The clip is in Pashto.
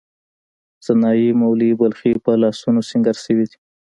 سنايي، مولوی بلخي په لاسونو سینګار شوې دي.